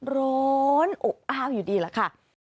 ร้อนอบอ้าวอยู่ดีแหละค่ะ